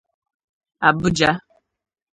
Abuja'